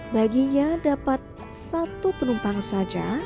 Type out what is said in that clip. baginya dapat satu penumpang saja